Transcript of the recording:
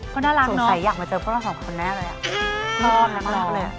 ชื่อใจมากช่วงหน้าอย่างไร